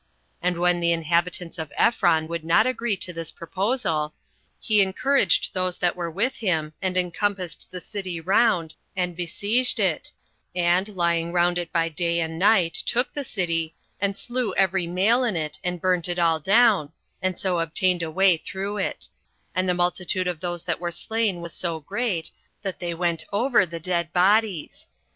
And when the inhabitants of Ephron would not agree to this proposal, he encouraged those that were with him, and encompassed the city round, and besieged it, and, lying round it by day and night, took the city, and slew every male in it, and burnt it all down, and so obtained a way through it; and the multitude of those that were slain was so great, that they went over the dead bodies.